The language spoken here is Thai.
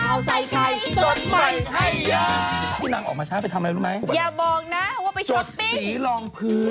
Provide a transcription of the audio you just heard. โอ๊ะเก่งกว่าช่าง